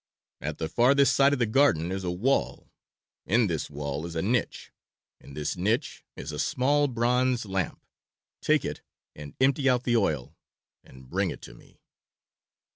At the farthest side of the garden is a wall; in this wall is a niche; in this niche is a small bronze lamp. Take it and empty out the oil and bring it to me."